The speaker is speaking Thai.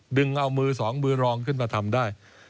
ดึงเอามือสองมือรองขึ้นมาทำได้